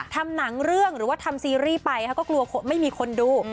ทำหนังเรื่องหรือว่าทำซีรีส์ไปเขาก็กลัวไม่มีคนดู